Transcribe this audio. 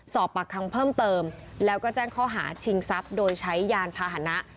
สอบปากคำเพิ่มเติมแล้วก็แจ้งข้อหาชิงทรัพย์โดยใช้ยานพาหนะ